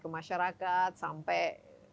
ke masyarakat sampai